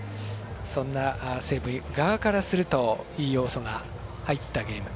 そんな西武側からするといい要素が入ったゲーム。